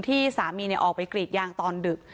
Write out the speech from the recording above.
ที่สามีออกไปกรีดยางตอนดึก